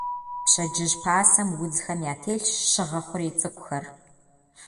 Пщэдджыжь пасэм удзхэм ятелъщ щыгъэ хъурей цӀыкӀухэр.